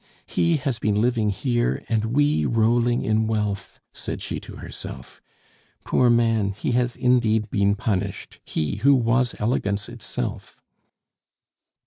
"He has been living here, and we rolling in wealth!" said she to herself. "Poor man, he has indeed been punished he who was elegance itself."